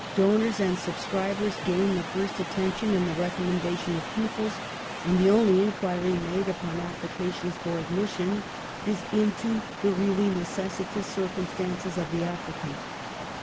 Donors and subscribers gain the first attention in the recommendation of pupils ; and the only inquiry made upon applications for admission is into the really necessitous circumstances of the applicant.